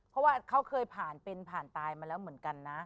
เพราะว่าเขาเคยผ่านเป็นผ่านตายมาแล้วเหมือนกันนะ